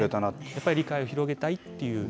やっぱり理解を広げたいという。